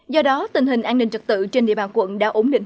do đó tình hình an ninh trật tự trên địa bàn quận đã ổn định